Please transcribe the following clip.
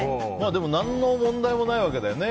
でも何の問題もないわけだよね。